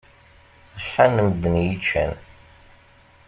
Acḥal n medden i yi-iččan.